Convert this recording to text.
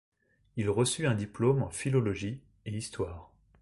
Il reçut un diplôme en philologie et histoire.